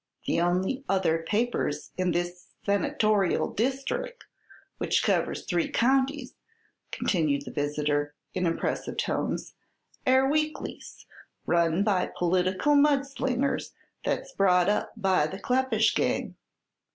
"The only other papers in this senatorial deestric', which covers three counties," continued the visitor, in impressive tones, "air weeklies, run by political mud slingers that's bought up by the Kleppish gang."